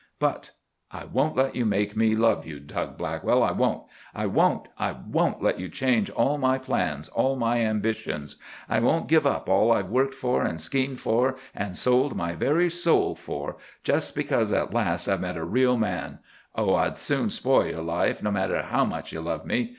"But—I won't let you make me love you, Tug Blackstock. I won't!—I won't! I won't let you change all my plans, all my ambitions. I won't give up all I've worked for and schemed for and sold my very soul for, just because at last I've met a real man. Oh, I'd soon spoil your life, no matter how much you love me.